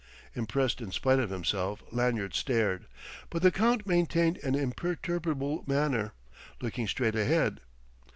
Impressed in spite of himself, Lanyard stared. But the Count maintained an imperturbable manner, looking straight ahead.